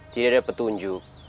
tidak ada petunjuk